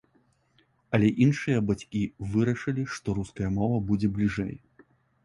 Але іншыя бацькі вырашылі, што руская мова будзе бліжэй.